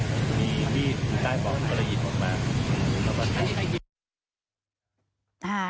หมดกระพื้น